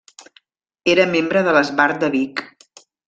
Era membre de l'Esbart de Vic.